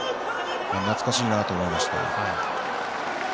懐かしいなと思いました。